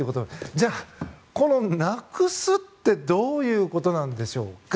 じゃあ、このなくすってどういうことなんでしょうか。